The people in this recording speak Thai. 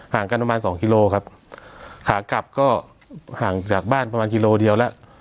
กันประมาณสองกิโลครับขากลับก็ห่างจากบ้านประมาณกิโลเดียวแล้ว